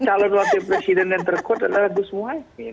calon wakil presiden yang terkut adalah gus mohamed